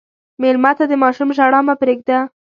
مېلمه ته د ماشوم ژړا مه پرېږده.